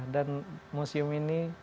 dan museum ini